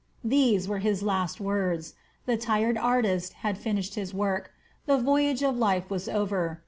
These were his last words. The tired artist had finished his work. The voyage of life was over.